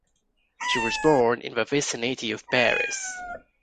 She was born in the vicinity of Paris.